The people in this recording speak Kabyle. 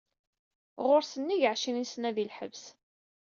Ɣur-s nnig ɛecrin-sna di lḥebs.